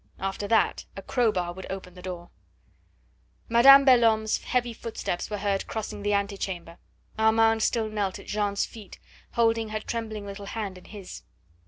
After that a crowbar would break open the door. Madame Belhomme's heavy footsteps were heard crossing the ante chamber. Armand still knelt at Jeanne's feet, holding her trembling little hand in his.